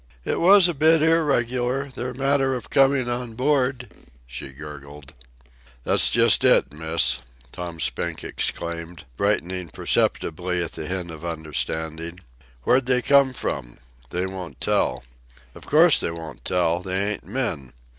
"It was a bit irregular, their manner of coming on board," she gurgled. "That's just it, Miss," Tom Spink exclaimed, brightening perceptibly at the hint of understanding. "Where'd they come from? They won't tell. Of course they won't tell. They ain't men.